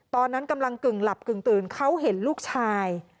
ตอนนั้นกำลังกึ่งหลับกึ่งตื่นเขาเห็นลูกชาย